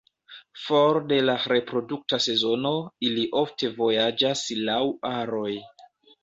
For de la reprodukta sezono, ili ofte vojaĝas laŭ aroj.